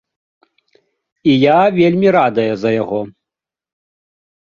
І я вельмі радая за яго.